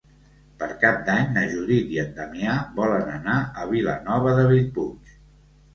Per Cap d'Any na Judit i en Damià volen anar a Vilanova de Bellpuig.